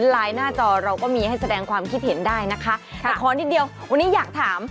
หน้าจอเราก็มีให้แสดงความคิดเห็นได้นะคะแต่ขอนิดเดียววันนี้อยากถาม